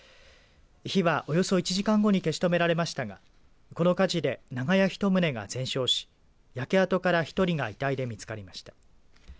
火はおよそ１時間後に消し止められましたがこの火事で長屋１棟が全焼し焼け跡から１人が遺体で見つかりました。